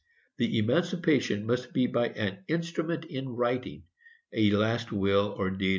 ] The emancipation must be by an instrument in writing, a last will or deed &c.